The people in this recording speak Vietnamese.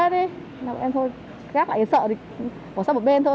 bọn em thôi gác lại sợ thì bỏ sắp ở bên thôi